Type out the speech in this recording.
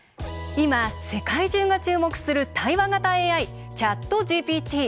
今、世界中が注目する対話型ＡＩＣｈａｔＧＰＴ。